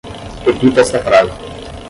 Repita esta frase